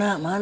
ada pak rt